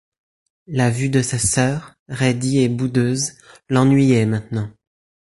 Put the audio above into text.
La vue de sa sœur, raidie et boudeuse, l’ennuyait maintenant.